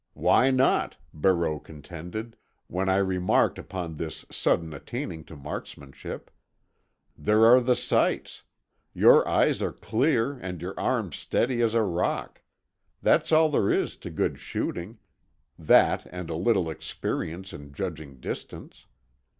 "Why not?" Barreau contended, when I remarked upon this sudden attaining to marksmanship. "There are the sights. Your eyes are clear and your arm steady as a rock. That's all there is to good shooting; that and a little experience in judging distance.